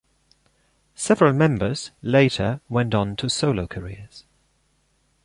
Several members later went on to solo careers.